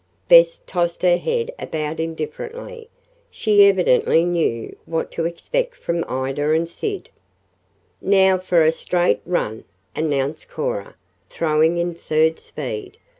Bess tossed her head about indifferently. She evidently knew what to expect from Ida and Sid. "Now for a straight run!" announced Cora, throwing in third speed.